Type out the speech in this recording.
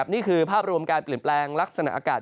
นี่คือภาพรวมการเปลี่ยนแปลงลักษณะอากาศ